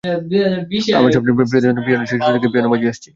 আমার সবচেয়ে প্রিয় বাদ্যযন্ত্র পিয়ানো, সেই ছোট্টটি থেকে পিয়ানো বাজিয়ে আসছি।